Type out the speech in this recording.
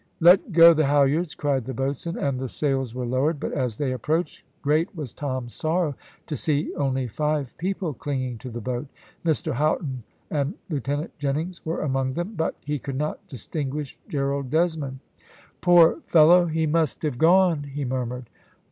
"Let go the halyards," cried the boatswain, and the sails were lowered, but as they approached great was Tom's sorrow to see only five people clinging to the boat. Mr Houghton and Lieutenant Jennings were among them, but he could not distinguish Gerald Desmond. "Poor fellow, he must have gone," he murmured.